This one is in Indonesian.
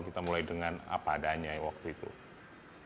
kita mulai dengan apa adanya ya waktu itu ya kan ya